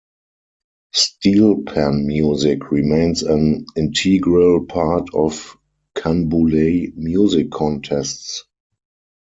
Steel pan music remains an integral part of Canboulay music contests.